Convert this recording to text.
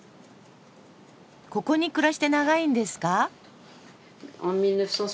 ここに暮らして長いんですか？